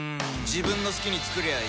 自分の好きに作りゃいい